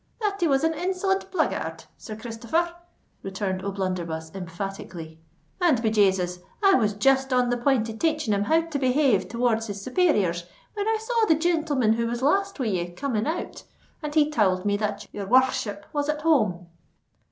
"That he was an insolent blackguard, Sir Christopher," returned O'Blunderbuss emphatically; "and be Jasus! I was just on the point of taching him how to behave towards his superiors, when I saw the gentleman who was last with ye coming out, and he tould me that your wor r r ship was at home."